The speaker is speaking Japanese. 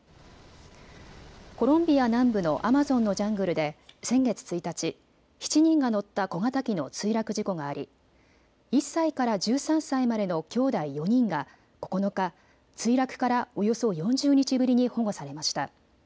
コロンビア南部のアマゾンのジャングルで先月１日、７人が乗った小型機の墜落事故があり１歳から１３歳までのきょうだい４人が９日、墜落からおよそ４０日ぶりに保護されました。